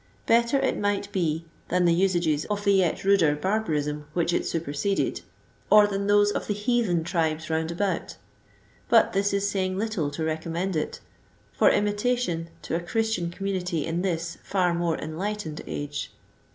Better it might be than the usages of the yet ruder bar barism which it superseded, or than those of the heathen tribes round about ; but this is saying little to recommend it, for imi tation, to a Christian community in this far more enlightened age.